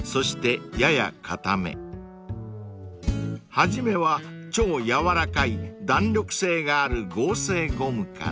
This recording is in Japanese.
［初めは超柔らかい弾力性がある合成ゴムから］